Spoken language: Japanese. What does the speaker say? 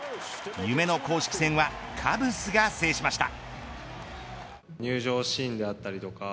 夢の公式戦はカブスが制しました。